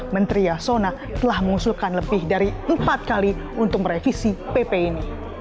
menteri yasona telah mengusulkan lebih dari empat kali untuk merevisi pp ini